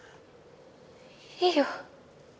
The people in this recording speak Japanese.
いいよ。